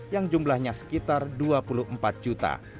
yang jumlahnya sekitar dua puluh empat juta